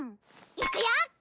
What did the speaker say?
いくよっ！